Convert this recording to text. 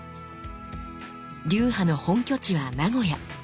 流派の本拠地は名古屋。